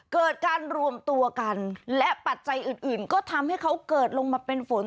เกิดการรวมตัวกันและปัจจัยอื่นอื่นก็ทำให้เขาเกิดลงมาเป็นฝน